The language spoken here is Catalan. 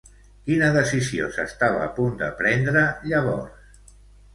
Quina decisió s'estava a punt de prendre llavors?